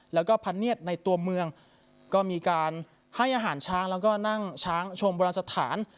แล้วก็พันเนียดในตัวเมืองก็มีการให้อาหารช้างแล้วก็นั่งช้างชมโบราณสถาน